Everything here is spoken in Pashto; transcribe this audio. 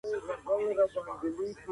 ښه زړه ښکلی وي